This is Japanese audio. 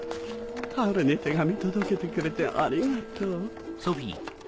ハウルに手紙届けてくれてありがとう。